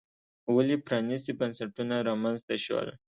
ولې پرانیستي بنسټونه رامنځته شول.